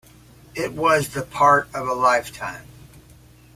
It was the part of a lifetime.